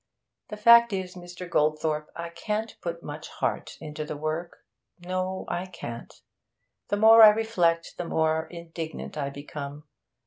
The fact is, Mr. Goldthorpe, I can't put much heart into the work; no, I can't. The more I reflect, the more indignant I become.